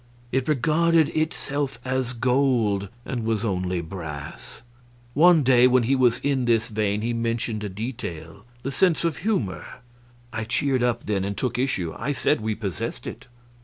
It regarded itself as gold, and was only brass. One day when he was in this vein he mentioned a detail the sense of humor. I cheered up then, and took issue. I said we possessed it.